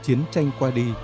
chiến tranh qua đi